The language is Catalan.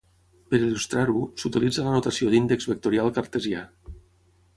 Per il·lustrar-ho, s'utilitza la notació d'índex vectorial cartesià.